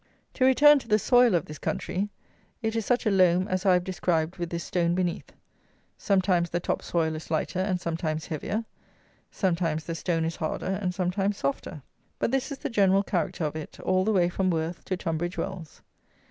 To return to the soil of this country, it is such a loam as I have described with this stone beneath; sometimes the top soil is lighter and sometimes heavier; sometimes the stone is harder and sometimes softer; but this is the general character of it all the way from Worth to Tonbridge Wells.